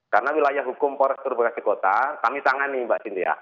karena wilayah hukum polres purwokasi kota kami tangani mbak cynthia